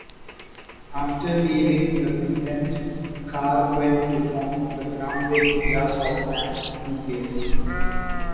After leaving the quintet, Carr went on to form the ground-breaking jazz-rock band Nucleus.